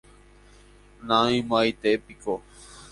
naimo'aietépiko.